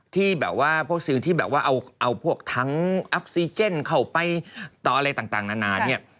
ที่แบบว่าพวกซิลที่แบบว่าเอาพวกทั้งออกซิเจนเข้าไปต่ออะไรต่างนานาเนี่ย